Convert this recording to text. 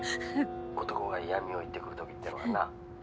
男が嫌みを言ってくるときってのはな